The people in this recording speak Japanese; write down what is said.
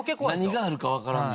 何があるかわからん。